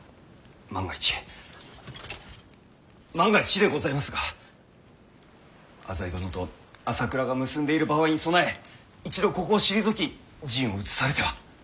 万が一万が一でございますが浅井殿と朝倉が結んでいる場合に備え一度ここを退き陣を移されては。